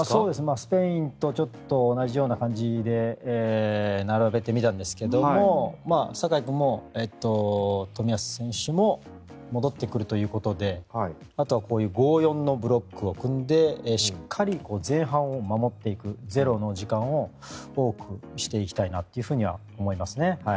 スペインとちょっと同じような感じで並べてみたんですけども酒井君も冨安選手も戻ってくるということであとはこういう５−４のブロックを組んでしっかり前半を守っていくゼロの時間を多くしていきたいなと思いますね。